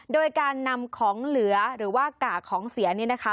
โดยการนำของเหลือหรือว่ากะของเสียนี่นะคะ